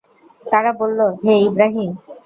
তারা বলল, হে ইবরাহীম!